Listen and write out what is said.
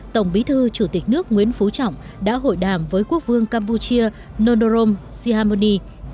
tổng bí thư chủ tịch nước nguyễn phú trọng đã hội đàm với quốc vương campuchia nodorom sihamoni